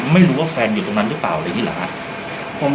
ไม่รู้ว่าเฟนอยู่ตรงนั้นหรือเปล่าหรือเงี้ยแหละผม